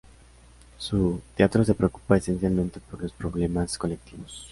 Su teatro se preocupa esencialmente por los problemas colectivos.